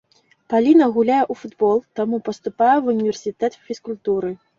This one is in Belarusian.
Паліна гуляе ў футбол, таму паступае ва ўніверсітэт фізкультуры.